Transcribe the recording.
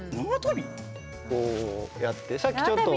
こうやってさっきちょっと。